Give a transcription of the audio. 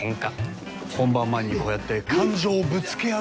本番前にこうやって感情をぶつけ合うことで。